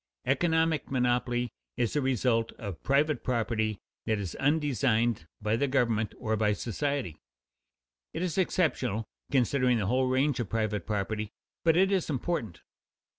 Economic monopoly is a result of private property that is undesigned by the government or by society. It is exceptional, considering the whole range of private property, but it is important.